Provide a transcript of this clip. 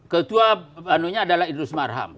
ketua adalah idris marham